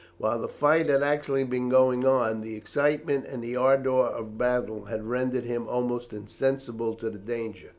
While the fight had actually been going on, the excitement and the ardour of battle had rendered him almost insensible to the danger.